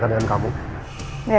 ke depan gue kayahyella